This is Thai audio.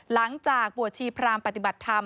หลังจากบวชชีพรามปฏิบัติธรรม